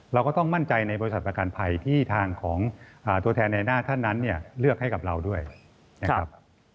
เราก็ต้องมั่นใจในบริษัทประกันภัยที่ทางของตัวแทนในหน้าท่านนั้นเนี่ยเลือกให้กับเราด้วยนะครับ